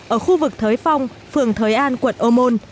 ở khu vực thới phong phường thới an quận ô môn